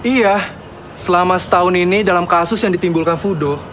iya selama setahun ini dalam kasus yang ditimbulkan fudo